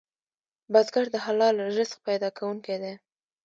بزګر د حلال رزق پیدا کوونکی دی